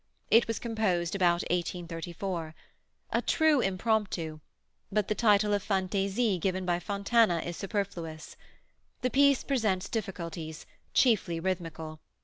It was composed about 1834. A true Impromptu, but the title of Fantaisie given by Fontana is superfluous. The piece presents difficulties, chiefly rhythmical.